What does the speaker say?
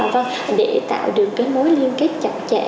vâng để tạo được cái mối liên kết chặt chẽ